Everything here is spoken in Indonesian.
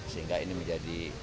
sehingga ini menjadi